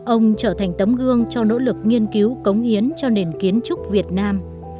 ông trở thành tấm gương cho nỗ lực nghiên cứu cống hiến cho nền kiến trúc việt nam